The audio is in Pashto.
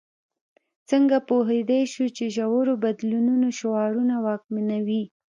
څنګه پوهېدای شو چې د ژورو بدلونونو شعارونه واکمنوي.